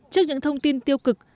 trước những thông tin tiêu cực